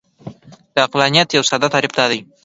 د عقلانیت یو ساده تعریف دا دی.